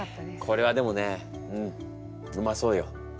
これはでもねうまそうよ。